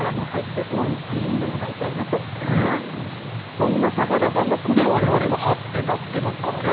そんな坂田さんの句で我々もハッてなってますからね。